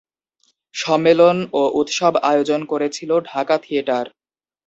সম্মেলন ও উৎসব আয়োজন করেছিল ঢাকা থিয়েটার।